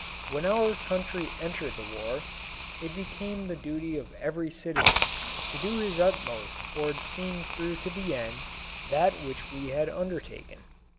When our country entered the war, it became the duty of every citizen to do his utmost toward seeing through to the end that which we had undertaken.